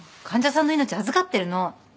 患者さんの命預かってるの。